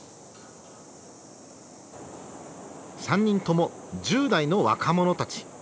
３人とも１０代の若者たち。